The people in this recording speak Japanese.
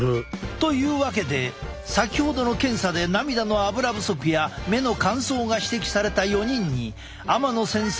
というわけで先ほどの検査で涙のアブラ不足や目の乾燥が指摘された４人に天野先生